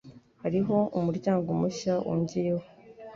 Hariho umuryango mushya wongeyeho.